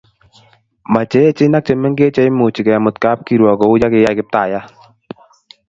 Mo cheechen ak chemengech cheimuchi kemut kapkirwok kouye kiyai kiptaiyat